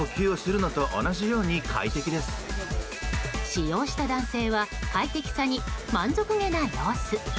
使用した男性は快適さに満足げな様子。